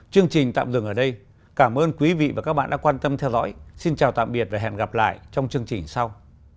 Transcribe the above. chương trình tạm dừng ở đây cảm ơn quý vị và các bạn đã quan tâm theo dõi xin chào tạm biệt và hẹn gặp lại trong chương trình sau